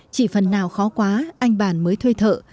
chỉ phần nào khó quá anh bản mới thuê thợ